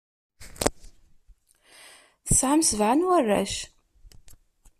Tesɛam sebɛa n warrac.